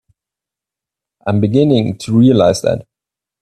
I'm beginning to realize that.